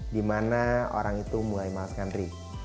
di mana orang itu mulai masak